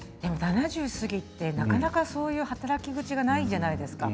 ７０過ぎて、なかなかそういう働き口ってないじゃないですか。